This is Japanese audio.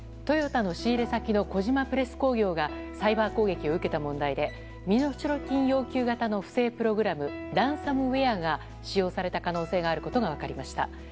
トヨタの仕入れ先の小島プレス工業がサイバー攻撃を受けた問題で身代金要求型の不正プログラムランサムウェアが使用された可能性があることが分かりました。